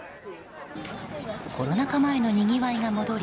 コロナ禍前のにぎわいが戻り